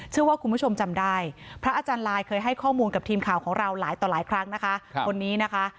เชื่อว่าคุณผู้ชมจำได้พระอาจารย์ลายเคยให้ข้อมูลกับทีมข่าวของเราหลายต่อหลายครั้งนะคะคนนี้นะคะ